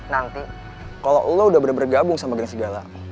nanti kalau lo udah bener bener gabung sama geng serigala